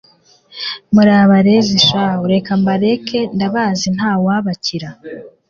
murabarezi shahu! reka mbareke ndabazi ntawabakira